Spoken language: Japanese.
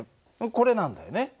これなんだよね。